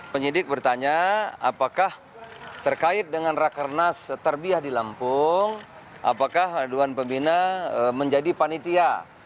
penyidik bertanya apakah terkait dengan rakernas terbiah di lampung apakah dewan pembina menjadi panitia